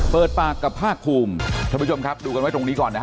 เปิดปากกับภาคภูมิท่านผู้ชมครับดูกันไว้ตรงนี้ก่อนนะฮะ